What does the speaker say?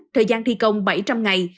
thời gian thi công bảy trăm linh ngày